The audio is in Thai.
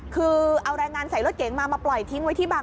คือเอาแรงงานใส่รถเก๋งมามาปล่อยทิ้งไว้ที่บาง